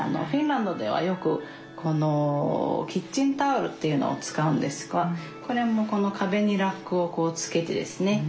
フィンランドではよくこのキッチンタオルっていうのを使うんですがこれもこの壁にラックをこうつけてですね